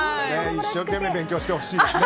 一生懸命勉強してほしいですね